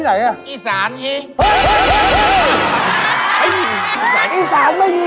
ไฟสี่บ้อเบ่ง